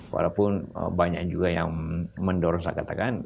walaupun banyak juga yang mendorong saya katakan